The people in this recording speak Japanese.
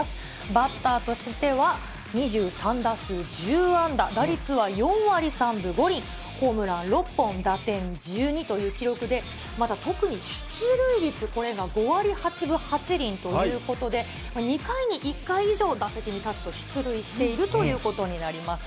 バッターとしては、２３打数１０安打、打率は４割３分５厘、ホームラン６本、打点１２という記録で、また特に出塁率、これが５割８分８厘ということで、２回に１回以上、打席に立つ、出塁しているということになります。